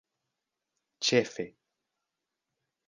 ĉefe